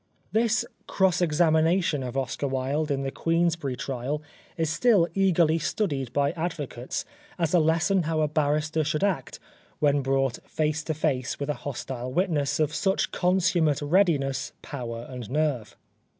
This cross examination of Oscar Wilde in the Queensberry trial is still eagerly studied by advocates as a lesson how a barrister should act when brought face to face with a hostile witness of such consummate readiness, power and nerve.